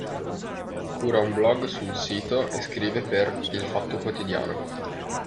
Cura un blog sul sito e scrive per "il Fatto Quotidiano".